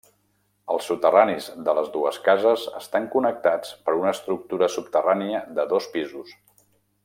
Els soterranis de les dues cases estan connectats per una estructura subterrània de dos pisos.